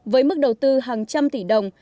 với mức đầu tư hàng trăm tỷ đồng